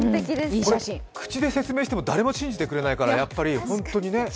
これ口で説明しても誰も信じてくれないから、本当にね。